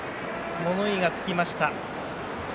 物言いがつきました。